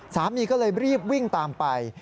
สามีก็เลยรีบวิ่งตามไป